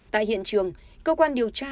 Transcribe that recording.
tại hiện trường cơ quan điều tra